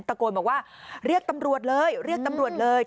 ตะโกนบอกว่าเรียกตำรวจเลยเรียกตำรวจเลย